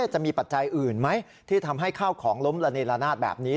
ปัจจัยอื่นไหมที่ทำให้ข้าวของล้มระเนละนาดแบบนี้